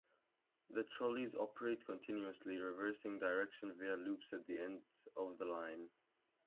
The trolleys operate continuously, reversing direction via loops at the ends of the line.